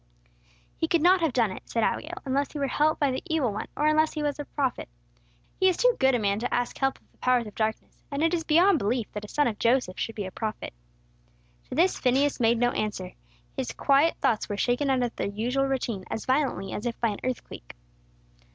"He could not have done it," said Abigail, "unless he were helped by the evil one, or unless he were a prophet. He is too good a man to ask help of the powers of darkness; and it is beyond belief that a son of Joseph should be a prophet." To this Phineas made no answer. His quiet thoughts were shaken out of their usual routine as violently as if by an earthquake.